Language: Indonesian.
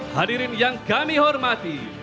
hadirin yang kami hormati